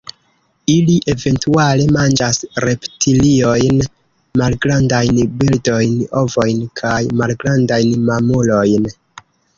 Ili eventuale manĝas reptiliojn, malgrandajn birdojn, ovojn kaj malgrandajn mamulojn.